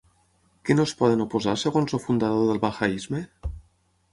Què no es poden oposar segons el fundador del bahaisme?